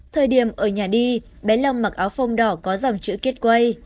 thời điểm ở nhà đi bé long mặc áo phồng đỏ có dòng chữ gateway